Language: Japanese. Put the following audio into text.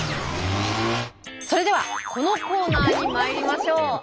それではこのコーナーにまいりましょう。